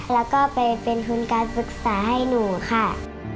แล้วก็ไปเป็นทุนการศึกษาให้หนูค่ะ